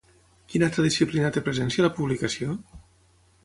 Quina altra disciplina té presència a la publicació?